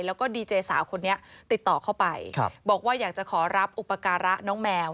แล้วก็ดีเจสาวคนนี้ติดต่อเข้าไปบอกว่าอยากจะขอรับอุปการะน้องแมว